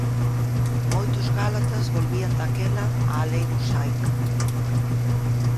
Moitos gálatas volvían daquela á Lei Mosaica.